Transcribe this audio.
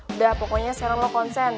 udah pokoknya sekarang lo konsen